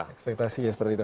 ekspektasi ya seperti itu